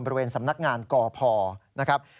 บริเวณสำนักงานกพนะครับ